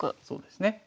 そうですね。